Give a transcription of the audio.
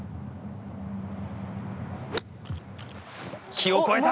木を越えた！